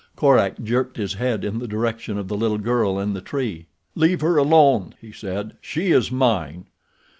Korak jerked his head in the direction of the little girl in the tree. "Leave her alone," he said; "she is mine."